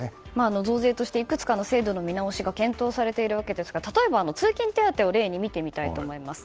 増税として、いくつかの制度の見直しが検討されていますが例えば、通勤手当を例に見てみたいと思います。